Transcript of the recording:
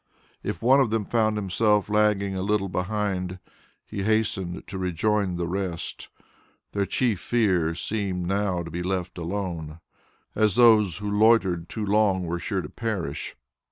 If one of them found himself lagging a little behind, he hastened to rejoin the rest, their chief fear seeming now to be left alone, as those who loitered too long were sure to perish.